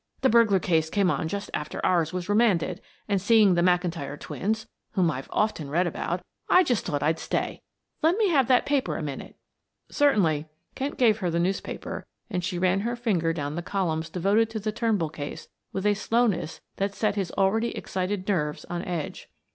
"The burglar case came on just after ours was remanded, and seeing the McIntyre twins, whom I've often read about, I just thought I'd stay. Let me have that paper a minute." "Certainly," Kent gave her the newspaper and she ran her finger down the columns devoted to the Turnbull case with a slowness that set his already excited nerves on edge.